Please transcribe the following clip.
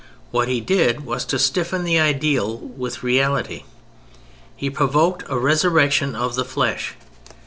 What he did was to stiffen the ideal with reality. He provoked a resurrection of the flesh.